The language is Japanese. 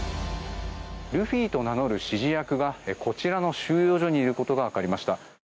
ルフィと名乗る指示役がこちらの収容所にいることが分かりました。